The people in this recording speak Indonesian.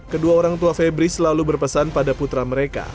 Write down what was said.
kedua orang tua febri selalu berpesan pada putra mereka